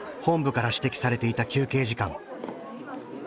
本部から指摘されていた休憩時間。